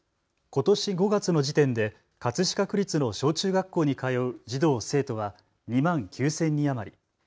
ことし５月の時点で葛飾区立の小中学校に通う児童・生徒は２万９０００人余り。